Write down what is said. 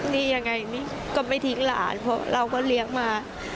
นี่ยังไงก็ไม่ทิ้งหลานเพราะเราก็เลี้ยงมา